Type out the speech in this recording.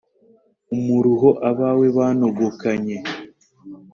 Umuruho abawe banogokanye,